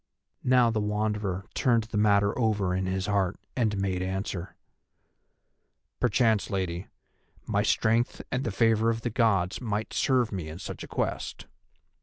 Now the Wanderer turned the matter over in his heart and made answer: "Perchance, Lady, my strength and the favour of the Gods might serve me in such a quest.